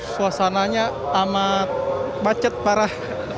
suasananya amat macet parah